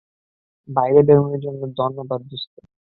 বাইরে বেরোনোর জন্য ধন্যবাদ, দোস্ত।